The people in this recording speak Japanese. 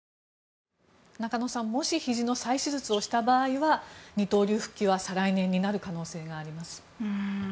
中野さんもし、ひじの再手術をした場合は二刀流復帰は再来年になる可能性があります。